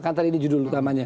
kan tadi ini judul utamanya